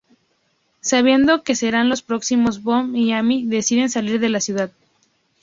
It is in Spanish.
Sabiendo que serán los próximos, Bob y Amy deciden salir de la ciudad.